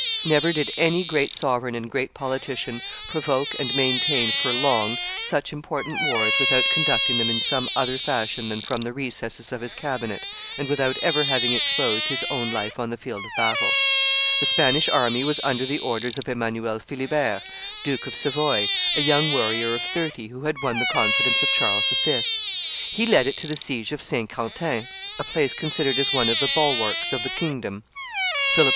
Never did any great sovereign and great politician provoke and maintain for long such important wars without conducting them in some other fashion than from the recesses of his cabinet, and without ever having exposed his own life on the field of battle. The Spanish army was under the orders of Emmanuel Philibert, Duke of Savoy, a young warrior of thirty, who had won the confidence of Charles V. He led it to the siege of Saint Quentin, a place considered as one of the bulwarks of the kingdom. Philip II.